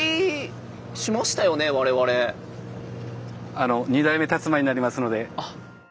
あの二代目たつまいになりますので。